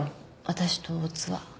私と大津は。